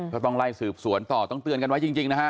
ก็ต้องไล่สืบสวนต่อต้องเตือนกันไว้จริงนะฮะ